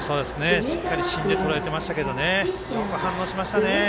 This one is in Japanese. しっかり芯でとらえていましたけどねよく反応しましたね。